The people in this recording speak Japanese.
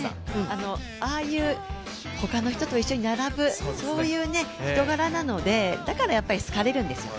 ああいう他の人と一緒に並ぶそういう人柄なのでだからやっぱり好かれるんですよ。